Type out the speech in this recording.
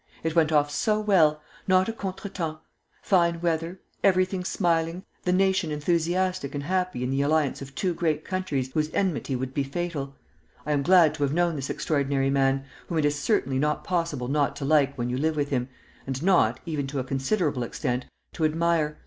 It went off so well, not a contre temps ... fine weather, everything smiling, the nation enthusiastic and happy in the alliance of two great countries whose enmity would be fatal.... I am glad to have known this extraordinary man, whom it is certainly not possible not to like when you live with him, and not, even to a considerable extent, to admire....